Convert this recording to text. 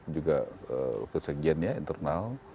juga kesegiannya internal